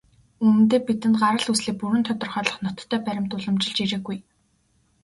Үнэндээ, бидэнд гарал үүслээ бүрэн тодорхойлох ноттой баримт уламжилж ирээгүй.